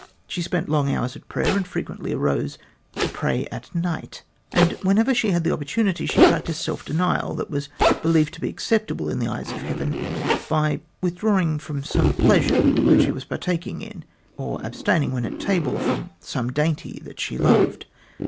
She spent long hours at prayer and frequently arose to pray at night, and whenever she had the opportunity she practiced self denial that was believed to be acceptable in the eyes of Heaven by withdrawing herself from some pleasure that she was taking part in, or abstaining when at table from some dainty that she loved.